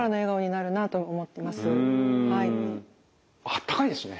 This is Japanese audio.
あったかいですね。